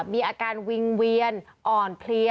มีอาการวิงเวียนอ่อนเพลีย